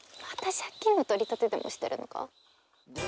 また借金の取り立てでもしてるのか？